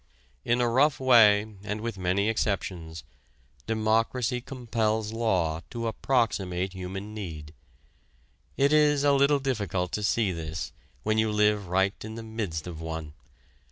In a rough way and with many exceptions, democracy compels law to approximate human need. It is a little difficult to see this when you live right in the midst of one.